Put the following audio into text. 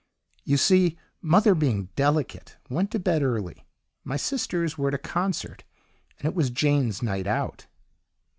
"You see, mother, being delicate, went to bed early, my sisters were at a concert, and it was Jane's 'night out.